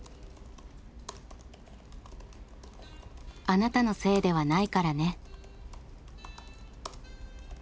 「あなたのせいではないからね」。